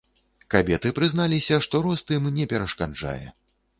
Кабеты прызналіся, што рост ім не перашкаджае.